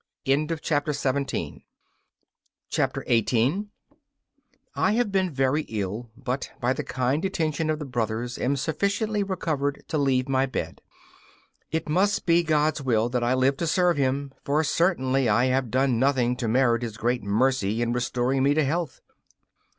18 I have been very ill, but by the kind attention of the brothers am sufficiently recovered to leave my bed. It must be God's will that I live to serve Him, for certainly I have done nothing to merit His great mercy in restoring me to health.